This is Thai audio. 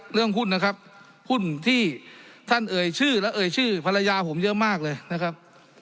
เรื่องหุ้นนะครับหุ้นที่ท่านเอ่ยชื่อและเอ่ยชื่อภรรยาผมเยอะมากเลยนะครับ